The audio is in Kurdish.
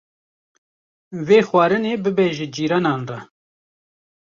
Vê xwarinê bibe ji cîranan re.